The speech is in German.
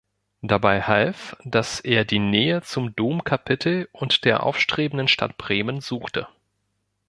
Dabei half, das er die Nähe zum Domkapitel und der aufstrebenden Stadt Bremen suchte.